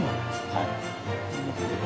はい。